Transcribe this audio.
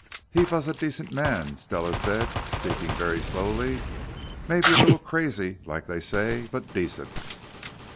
"He vas a decent man," Stella said, speaking very slowly. "Maybe a little crazy, like they say, but decent."